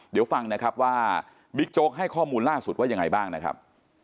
เดี๋ยวฟังนะครับว่าบิ๊กโจ๊กให้ข้อมูลล่าสุดว่ายังไงบ้างนะครับ